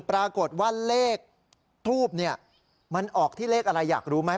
ปรากฏว่าเลขทูบเนี่ยมันออกที่เลขอะไรอยากรู้ไหม